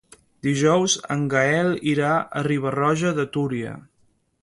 Dijous en Gaël irà a Riba-roja de Túria.